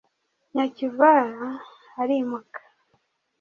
nyakivara arimuka